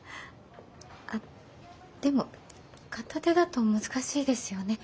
あでも片手だと難しいですよね。